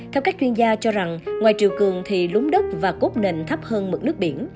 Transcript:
theo các chuyên gia cho rằng ngoài triều cường thì lúng đất và cốt nền thấp hơn mực nước biển